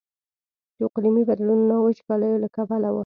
د اقلیمي بدلونونو او وچکاليو له کبله و.